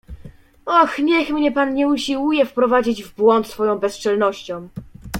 "Och, niech mnie pan nie usiłuje wprowadzić w błąd swoją bezczelnością."